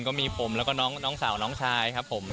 ก็มีผมแล้วก็น้องสาวน้องชายครับผม